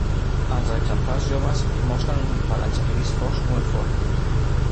Els exemplars joves mostren un pelatge gris fosc uniforme.